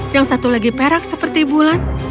yang satu lagi perak seperti bulan